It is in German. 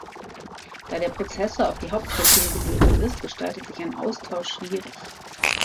Da der Prozessor auf die Hauptplatine gelötet ist, gestaltet sich ein Austausch schwierig.